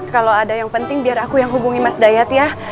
kalau ada yang penting biar aku yang hubungi mas dayat ya